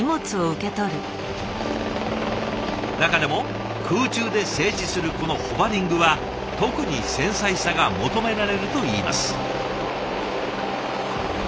中でも空中で静止するこのホバリングは特に繊細さが求められるといいます。